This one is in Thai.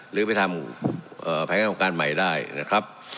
หรือไปทำแผนงานของการใหม่ได้นะครับ